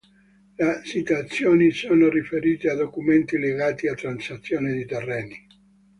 Le citazioni sono riferite a documenti legati a transazioni di terreni.